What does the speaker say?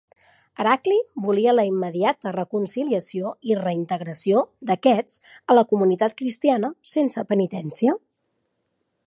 Heracli volia la immediata reconciliació i reintegració d'aquests a la comunitat cristiana sense penitència.